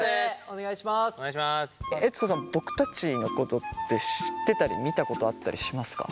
悦子さん僕たちのことって知ってたり見たことあったりしますか？